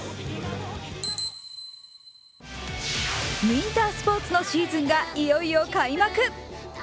ウインタースポーツのシーズンがいよいよ開幕。